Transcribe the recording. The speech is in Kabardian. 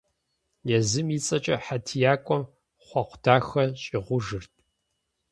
Езым и цӀэкӀэ хьэтиякӀуэм хъуэхъу дахэ щӀигъужырт.